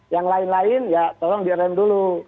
yang lain lain ya tolong di arrange dulu